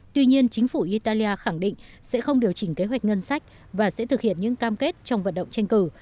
tuy nhiên chính phủ italia khẳng định sẽ không điều chỉnh kế hoạch ngân sách và sẽ thực hiện những cam kết trong vận động tranh cử